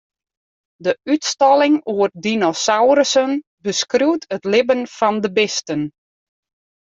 De útstalling oer dinosaurussen beskriuwt it libben fan de bisten.